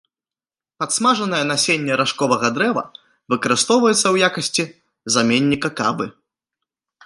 Падсмажанае насенне ражковага дрэва выкарыстоўваецца ў якасці заменніка кавы.